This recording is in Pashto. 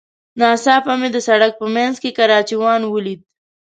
ناڅاپه مې د سړک په منځ کې کراچيوان وليد.